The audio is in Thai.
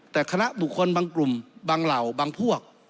แต่คณะบุคคลบางกลุ่มบางเหล่าบางพวก